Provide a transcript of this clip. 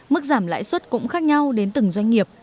mức giảm lãi suất cũng khác nhau đến từng doanh nghiệp